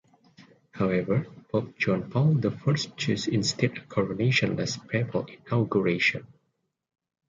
However, Pope John Paul the First chose instead a coronation-less papal inauguration.